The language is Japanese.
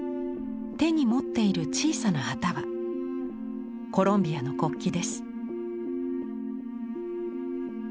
手に持っている小さな旗はコロンビアの国旗です。